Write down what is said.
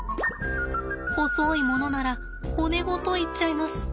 細いものなら骨ごといっちゃいます。